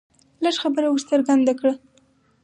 لږ خبره ور څرګنده کړه